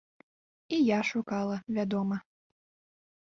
І я шукала, вядома.